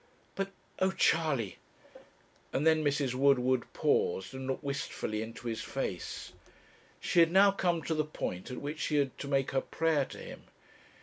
But, oh, Charley ' and then Mrs. Woodward paused and looked wistfully into his face. She had now come to the point at which she had to make her prayer to him.